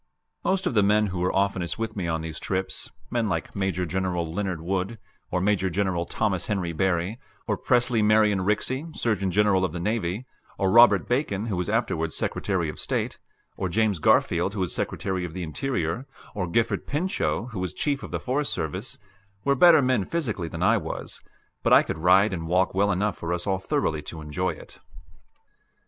Most of the men who were oftenest with me on these trips men like Major General Leonard Wood; or Major General Thomas Henry Barry; or Presley Marion Rixey, Surgeon General of the Navy; or Robert Bacon, who was afterwards Secretary of State; or James Garfield, who was Secretary of the Interior; or Gifford Pinchot, who was chief of the Forest Service were better men physically than I was; but I could ride and walk well enough for us all thoroughly to enjoy it.